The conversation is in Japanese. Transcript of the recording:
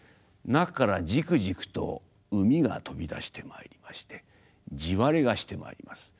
中からジクジクと膿が飛び出してまいりまして地割れがしてまいります。